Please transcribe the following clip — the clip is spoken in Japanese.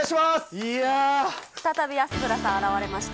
再び、安村さん、現れました。